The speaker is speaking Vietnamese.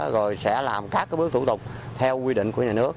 rồi sẽ làm các bước thủ tục theo quy định của nhà nước